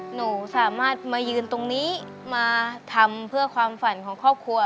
หนูสามารถมายืนตรงนี้มาทำเพื่อความฝันของครอบครัว